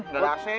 gak ada ac